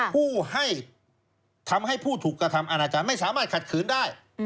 ผู้ให้ทำให้ผู้ถูกกระทำอาณาจารย์ไม่สามารถขัดขืนได้